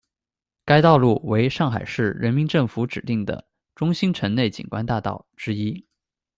该道路为上海市人民政府指定的“中心城内景观大道”之一。